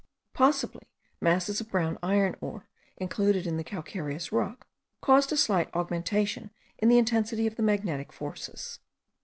Possibly masses of brown iron ore, included in the calcareous rock, caused a slight augmentation in the intensity of the magnetic forces.